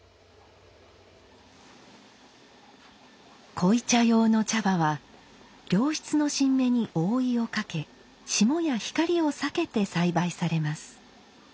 濃茶用の茶葉は良質の新芽に覆いをかけ霜や光を避けて栽培されます。